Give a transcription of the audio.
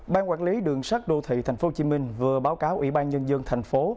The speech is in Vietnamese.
ban quản lý đường sắt đô thị tp hcm vừa báo cáo ủy ban nhân dân tp hcm